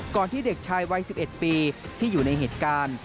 ที่เด็กชายวัย๑๑ปีที่อยู่ในเหตุการณ์